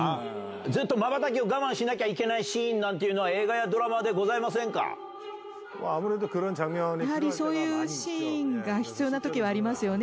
ずっとまばたきを我慢しなきゃいけないシーンなんていうのは、やはりそういうシーンが必要なときはありますよね。